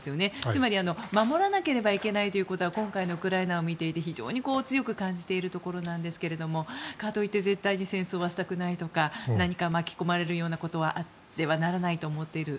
つまり守らなければいけないということは今回のウクライナを見ていて非常に強く感じているところですがかといって絶対に戦争はしたくないとか何か巻き込まれるようなことはあってはならないと思っている。